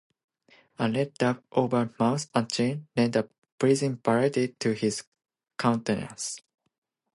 A red dab over mouth and chin lent a pleasing variety to his countenance.